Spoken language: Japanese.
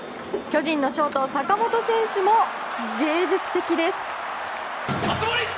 巨人のショート、坂本選手も芸術的です。